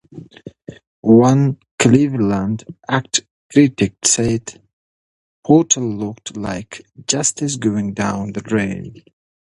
One Cleveland art critic said "Portal" looked like "justice going down the drain".